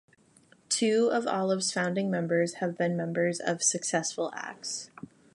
Two of Olive's founding members had been members of successful acts.